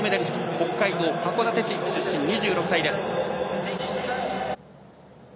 北海道函館市出身の２６歳です。